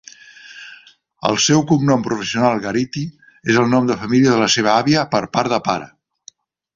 El seu cognom professional, Garity, és el nom de família de la seva àvia per part de pare.